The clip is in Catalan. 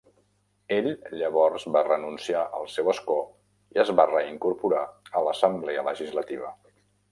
Ell llavors va renunciar al seu escó i es va reincorporar a l'assemblea legislativa.